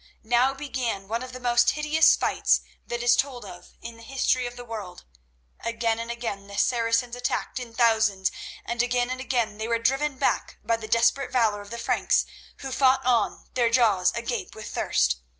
Now began one of the most hideous fights that is told of in the history of the world. Again and again the Saracens attacked in thousands, and again and again they were driven back by the desperate valour of the Franks, who fought on, their jaws agape with thirst.